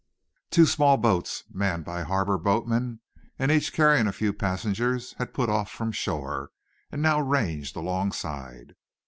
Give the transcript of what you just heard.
Two small boats, manned by harbor boatmen, and each carrying a few passengers, had put off from shore, and now ranged alongside.